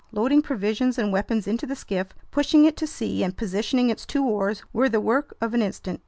Loading provisions and weapons into the skiff, pushing it to sea, and positioning its two oars were the work of an instant.